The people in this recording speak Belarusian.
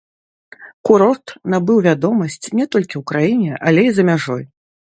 Курорт набыў вядомасць не толькі ў краіне, але і за мяжой.